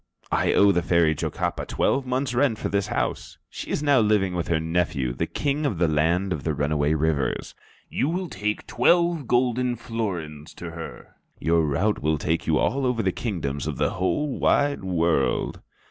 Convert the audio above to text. I owe the Fairy Jocapa twelve months rent for this house. She is now living with her nephew, the King of the Land of the Runaway Rivers. You shall take twelve golden florins to her. Your route will take you over all the kingdoms of the whole wide world."